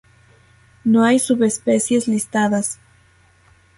No hay subespecies listadas.